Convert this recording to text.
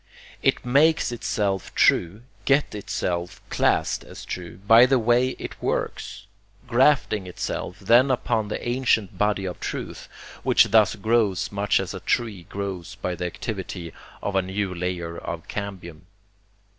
It makes itself true, gets itself classed as true, by the way it works; grafting itself then upon the ancient body of truth, which thus grows much as a tree grows by the activity of a new layer of cambium.